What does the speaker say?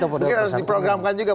mungkin harus diprogramkan juga